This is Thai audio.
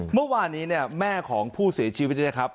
เมื่อวานนี้แม่ของผู้เสียชีวิต